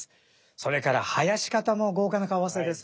それから囃子方も豪華な顔合わせですね。